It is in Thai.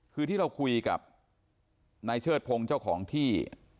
คือที่เราคุยกับนายเชิดพงศ์เจ้าของที่